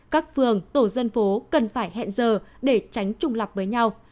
các phường tổ dân phố cần phải hẹn giờ để tránh trùng lập với nhau